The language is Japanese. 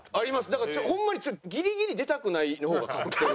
だからホンマにギリギリ出たくないの方が勝ってる。